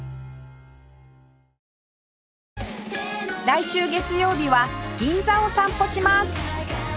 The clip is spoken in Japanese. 来週月曜日は銀座を散歩します